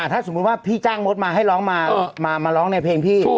ถ้าสมมุติว่าพี่จ้างมดมาให้ร้องมาร้องในเพลงพี่